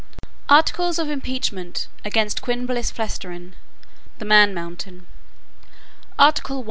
"'Articles of Impeachment against QUINBUS FLESTRIN, (the Man Mountain.) Article I.